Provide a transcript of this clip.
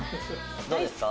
どうですか？